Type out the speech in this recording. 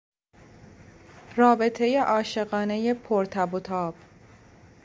رابطهی عاشقانهی پر تب و تاب